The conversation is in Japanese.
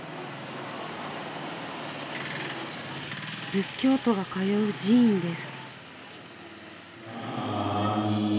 仏教徒が通う寺院です。